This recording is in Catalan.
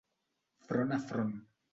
Front a front.